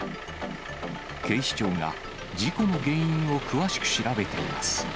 警視庁が事故の原因を詳しく調べています。